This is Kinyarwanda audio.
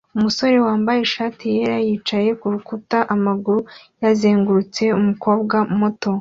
Umusore wambaye ishati yera yicaye kurukuta amaguru yazengurutse umukobwa muto